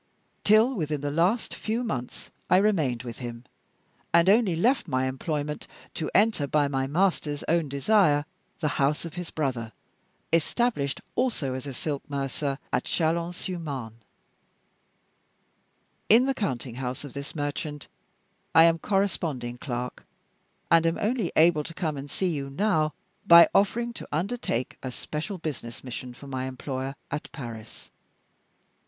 Till within the last few months I remained with him; and only left my employment to enter, by my master's own desire, the house of his brother, established also as a silk mercer, at Chalons sur Marne. In the counting house of this merchant I am corresponding clerk, and am only able to come and see you now by offering to undertake a special business mission for my employer at Paris.